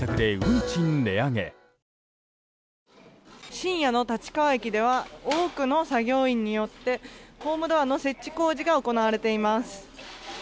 深夜の立川駅では多くの作業員によってホームドアの設置工事が行われています。